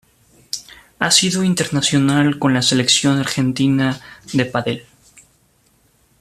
Ha sido internacional con la Selección argentina de pádel.